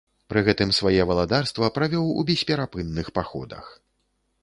Пры гэтым свае валадарства правёў у бесперапынных паходах.